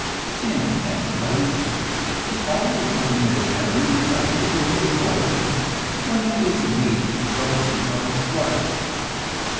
In the next place, the only cooking that is ever required is a little boiling, or in the case of meat, roasting or broiling.